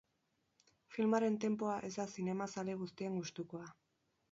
Filmaren tempoa ez da zinemazale guztien gustukoa.